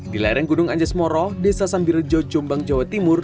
di layareng gunung anjes moro desa sambirejo jombang jawa timur